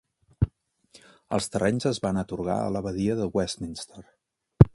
Els terrenys es van atorgar a l'abadia de Westminster.